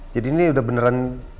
jadi ini udah beneran